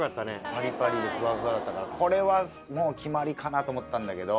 パリパリでふわふわだったからこれはもう決まりかなと思ったんだけど。